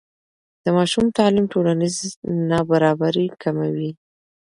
د ماشوم تعلیم ټولنیز نابرابري کموي.